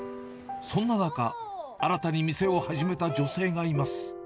そんな中、新たに店を始めた女性がいます。